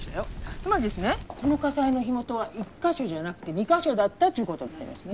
つまりこの火災の火元は１カ所じゃなくて２カ所だったってことになりますね